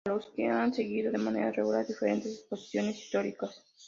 A lo que han seguido, de manera regular, diferentes exposiciones históricas.